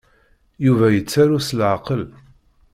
Yuba yettaru s leɛqel.